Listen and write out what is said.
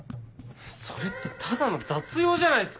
それってただの雑用じゃないっすか！